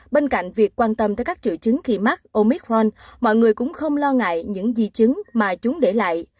bên cạnh việc quan tâm tới các triệu chứng khi mắc omic ron mọi người cũng không lo ngại những di chứng mà chúng để lại